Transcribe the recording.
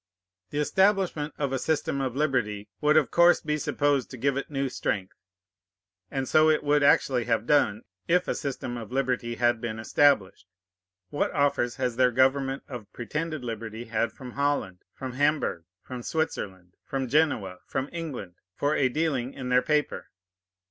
The establishment of a system of liberty would of course be supposed to give it new strength: and so it would actually have done, if a system of liberty had been established. What offers has their government of pretended liberty had from Holland, from Hamburg, from Switzerland, from Genoa, from England, for a dealing in their paper?